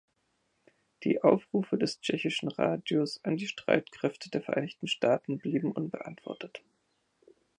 Die Aufrufe des tschechischen Radios an die Streitkräfte der Vereinigten Staaten blieben unbeantwortet.